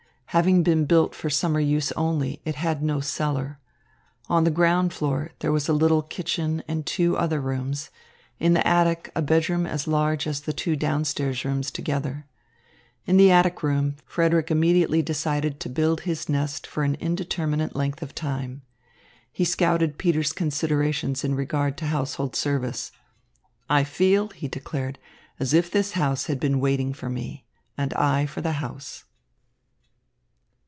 Having been built for summer use only, it had no cellar. On the ground floor there was a little kitchen and two other rooms; in the attic a bedroom as large as the two down stairs rooms together. In the attic room Frederick immediately decided to build his nest for an indeterminate length of time. He scouted Peter's considerations in regard to household service. "I feel," he declared, "as if this house had been waiting for me, and I for the house."